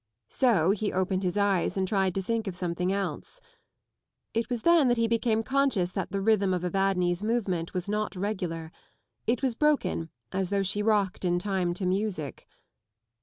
So he opened his eyes and tried to think of something else. It was then that he became conscious that the rhythm of Evadne's movement was not regular. It was broken as though she rocked in time to music.